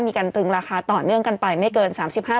ตรึงราคาต่อเนื่องกันไปไม่เกิน๓๕บาท